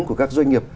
của các doanh nghiệp